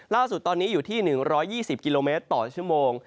ล่าสุดตอนนี้อยู่ที่๑๒๐กิโลเมตรต่อชั่วโมง